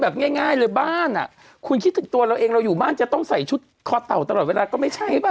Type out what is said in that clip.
ง่ายเลยบ้านอ่ะคุณคิดถึงตัวเราเองเราอยู่บ้านจะต้องใส่ชุดคอเต่าตลอดเวลาก็ไม่ใช่ป่